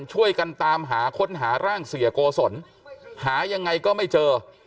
ช่วยกันตามหาค้นหาร่างเสียโกศลหายังไงก็ไม่เจอ